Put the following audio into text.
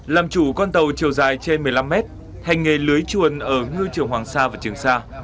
làm chủ con tàu chiều dài trên một mươi năm mét hành nghề lưới chuồn ở ngư trường hoàng sa và trường sa